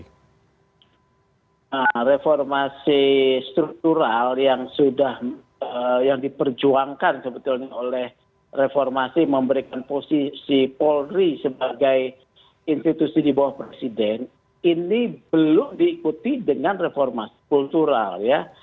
nah reformasi struktural yang sudah yang diperjuangkan sebetulnya oleh reformasi memberikan posisi polri sebagai institusi di bawah presiden ini belum diikuti dengan reformasi kultural ya